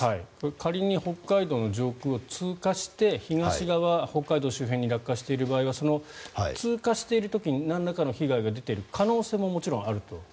仮に北海道の上空を通過して東側、北海道周辺に落下している場合はその通過している時になんらかの被害が出ている可能性もあると。